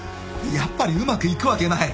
やっぱりうまくいくわけない！